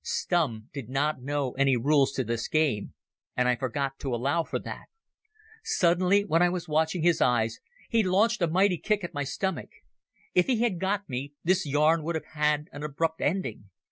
Stumm did not know any rules to this game, and I forgot to allow for that. Suddenly, when I was watching his eyes, he launched a mighty kick at my stomach. If he had got me, this yarn would have had an abrupt ending.